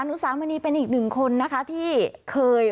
อุสามณีเป็นอีกหนึ่งคนนะคะที่เคย